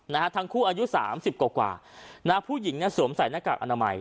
นะฮะทั้งคู่อายุสามสิบกว่ากว่านะฮะผู้หญิงเนี่ยสวมใส่หน้ากากอนามัย